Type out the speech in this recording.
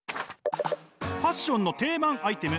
ファッションの定番アイテム